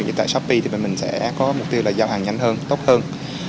về shopee thì mình sẽ có mục tiêu là giao hàng nhanh hơn tốt hơn